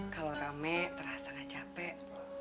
kalau rame terasa gak capek